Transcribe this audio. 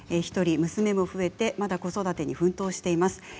１人娘も増えてまた子育てに奮闘しています。